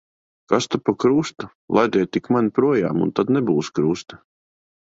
Kas ta par krustu. Laidiet tik mani projām, un tad nebūs krusta.